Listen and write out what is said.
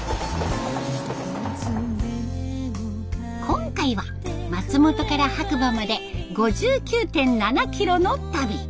今回は松本から白馬まで５９．７キロの旅。